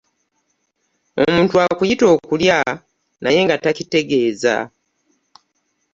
Omuntu akuyita okulya naye nga takitegeeza.